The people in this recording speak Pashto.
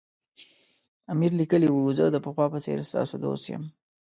امیر لیکلي وو زه د پخوا په څېر ستاسو دوست یم.